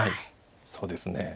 そうですね。